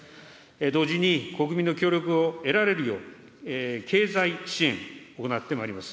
同時に、国民の協力を得られるよう、経済支援、行ってまいります。